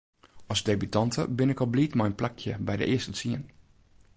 As debutante bin ik al bliid mei in plakje by de earste tsien.